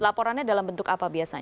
laporannya dalam bentuk apa biasanya